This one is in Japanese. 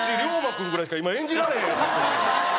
君ぐらいしか今演じられへんやつ。